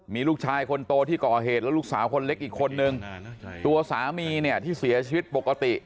มีลูกชายคนโตที่ก่อเหตุและลูกสาวคนเล็กอีกคนนึงตัวสามีเนี่ยที่เสียชีวิตปกติ